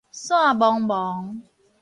散茫茫